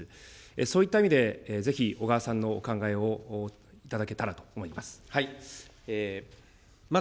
そういった意味で、ぜひ小川さんのお考えをいただけたらと思います。